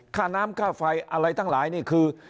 ค่าน้ำค่าไฟอะไรทั้งหลายนี่คือ